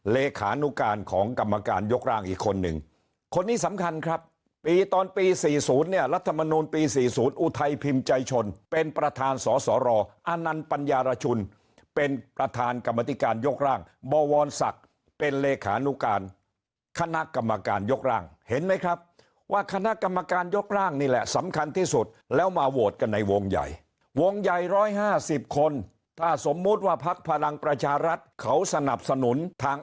เลขหนุการของกรรมการยกร่างอีกคนหนึ่งคนนี้สำคัญครับปีตอนปี๔๐เนี่ยรัฐมนุนปี๔๐อุทัยพิมพ์ใจชนเป็นประธานสอสอรออานันต์ปัญญารชุนเป็นประธานกรรมการยกร่างบวรศักดิ์เป็นเลขหนุการคณะกรรมการยกร่างเห็นไหมครับว่าคณะกรรมการยกร่างนี่แหละสำคัญที่สุดแล้วมาโหวตกันในวงใหญ่วงใหญ่๑๕๐